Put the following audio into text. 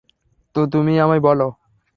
তো, তুমি আমায় বলো।